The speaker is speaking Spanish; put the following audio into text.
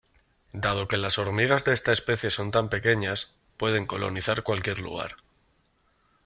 Dado que las hormigas de esta especie son tan pequeñas, pueden colonizar cualquier lugar.